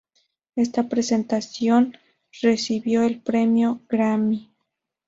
Esta presentación recibió el premio Grammy.